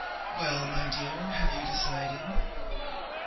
'Well, my dear, have you decided?'